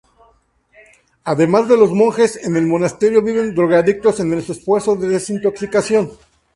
Además de los monjes, en el monasterio viven drogadictos en el esfuerzo de desintoxicación.